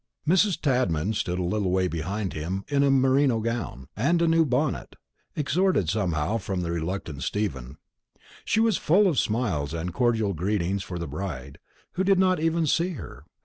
Mrs. Tadman stood a little way behind him, in a merino gown, and a new bonnet, extorted somehow from the reluctant Stephen. She was full of smiles and cordial greetings for the bride, who did not even see her.